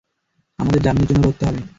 আমাদের জামিনের জন্য লড়তে হবে।